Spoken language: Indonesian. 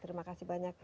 terima kasih banyak